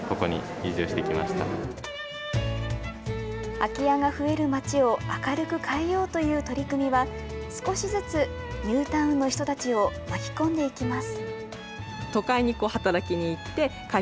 空き家が増える町を明るく変えようという取り組みは、少しずつニュータウンの人たちを巻き込んでいきます。